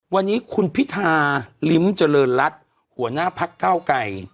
วันนี้คุณพิธาลิ้มเจริญรัฐหัวหน้าพักเก้าไกร